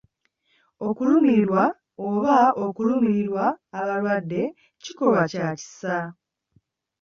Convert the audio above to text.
Okulumirwa oba okulumirirwa abalwadde kikolwa kya kisa.